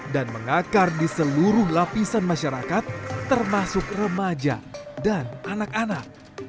dan mengakar di seluruh lapisan masyarakat termasuk remaja dan anak anak